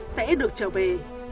để được trở về